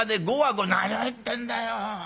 「何を言ってんだよ。